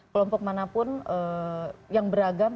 kelompok manapun yang beragam